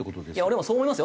俺もそう思いますよ。